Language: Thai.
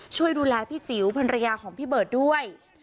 ช่วยดูแลพี่จิ๋วภรรยาของพี่เบิร์ตด้วย